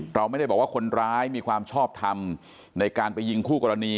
เราไม่ได้บอกว่าคนร้ายมีความชอบทำในการไปยิงคู่กรณี